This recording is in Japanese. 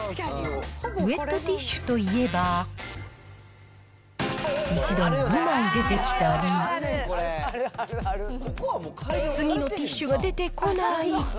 ウエットティッシュといえば、１度に２枚出てきたり、次のティッシュが出てこない。